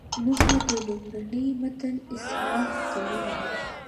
موخه د لومړني متن اصلاح کول وو.